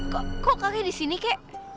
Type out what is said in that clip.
kok kakek disini kek